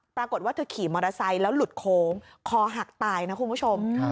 ปรากฏว่าเธอขี่มอเตอร์ไซค์แล้วหลุดโค้งคอหักตายนะคุณผู้ชม